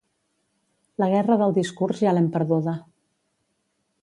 La guerra del discurs ja l’hem perduda.